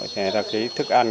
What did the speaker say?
người ta cái thức ăn